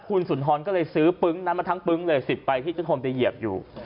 คุณสุนทรก็เลยซื้อปึ๊งนั้นมาทั้งปึ๊งเลย๑๐ใบที่เจ้าโทนไปเหยียบอยู่